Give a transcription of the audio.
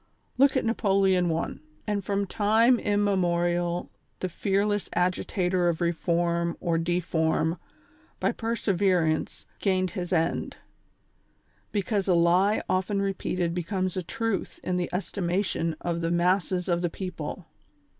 Look at Napoleon I., and from time immemorial the fear less agitator of reform or deform, by perseverance, gained his end ; because a lie often repeated becomes a truth in the estimation of the masses of the people.